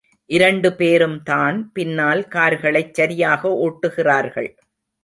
இரண்டு பேரும்தான் பின்னால் கார்களைச் சரியாக ஓட்டுகிறார்கள்.